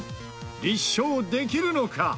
立証できるのか？